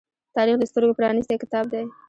تاریخ د سترگو پرانیستی کتاب دی.